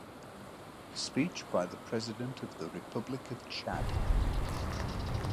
Speech by the President of the Republic of Chad.